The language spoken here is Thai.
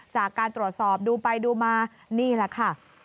จากการตรวจสอบดูไปดูมานี่แหละค่ะ